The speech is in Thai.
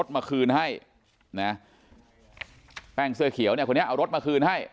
แป้งเสื้อเขียวเนี่ยคนนี้เอารถมาคืนให้